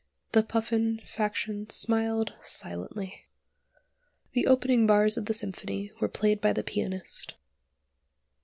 The Puffin faction smiled silently. The opening bars of the symphony were played by the pianist.